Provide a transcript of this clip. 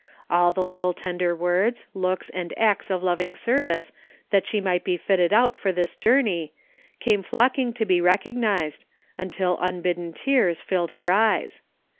All the little tender words, looks and acts of loving sacrifice that she might be well fitted out for this journey, came flocking to be recognized, until imbidden tears filled her eyes.